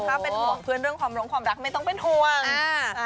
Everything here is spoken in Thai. ถ้าเป็นห่วงเพื่อนเรื่องความลงความรักไม่ต้องเป็นห่วงอ่า